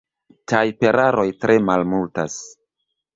Tajperaroj tre malmultas.